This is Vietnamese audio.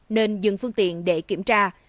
nên dừng phương tiện để kiểm tra